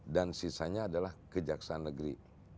dan sisanya adalah kejaksan negeri